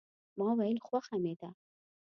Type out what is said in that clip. ما ویل خوښه مې ده.